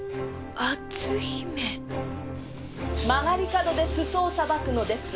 曲がり角で裾をさばくのです。